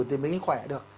thì mới khỏe được